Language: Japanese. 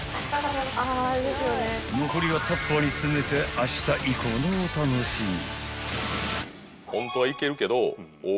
［残りはタッパーに詰めてあした以降のお楽しみ］